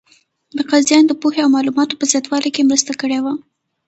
د قاضیانو د پوهې او معلوماتو په زیاتوالي کې مرسته کړې وه.